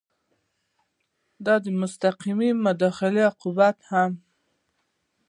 د مستقیې مداخلې عواقب هم